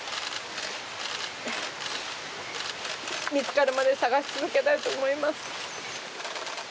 見つかるまで捜し続けたいと思います。